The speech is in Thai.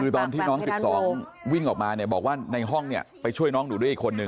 ตอนที่น้อง๑๒วิ่งออกมาเนี่ยบอกว่าในห้องเนี่ยไปช่วยน้องหนูด้วยอีกคนนึง